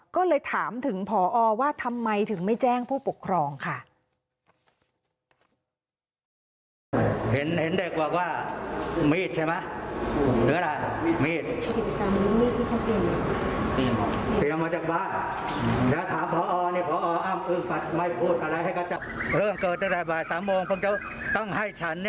ก็เลยถามถึงพอว่าทำไมถึงไม่แจ้งผู้ปกครองค่ะ